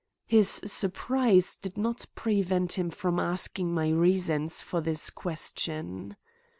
His surprise did not prevent him from asking my reasons for this question.